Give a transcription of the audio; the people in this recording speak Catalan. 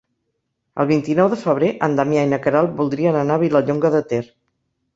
El vint-i-nou de febrer en Damià i na Queralt voldrien anar a Vilallonga de Ter.